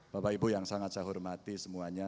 bapak ibu yang sangat saya hormati semuanya